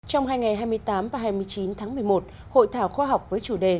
trong hai ngày hai mươi tám và hai mươi chín tháng một mươi một hội thảo khoa học với chủ đề